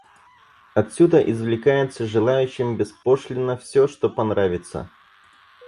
Отсюда извлекается желающим беспошлинно все, что понравится.